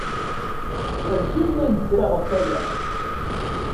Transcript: Werǧin nnan-d kra ɣef aya.